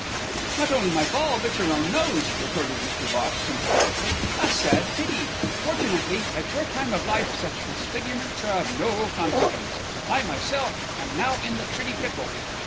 "Not only my fall but your own nose!" retorted Mr. Bhosh sympathetically. "A sad pity! Fortunately, at your time of life such disfigurements are of no consequence. I, myself, am now in the pretty pickle."